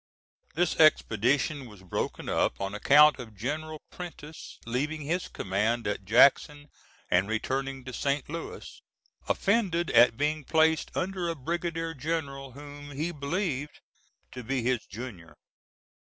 This expedition was broken up on account of General Prentiss leaving his command at Jackson and returning to St. Louis, offended at being placed under a brigadier general whom he believed to be his junior.